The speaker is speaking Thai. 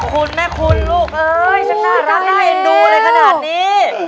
ขอบคุณแม่คุณลูกเอ่ยฉันน่ารักน่าให้ดูเลยขนาดนี้